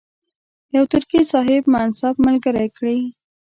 یو ترکي صاحب منصب ملګری کړي.